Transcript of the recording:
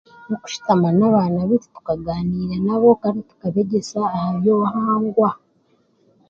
Okushutama n'abaana baitu tukaganiira nabo kandi tukabeegyesa ahabyobuhangwa.